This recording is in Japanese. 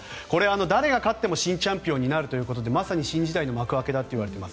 誰が勝っても新チャンピオンになるということでまさに新時代の幕開けだと言われています。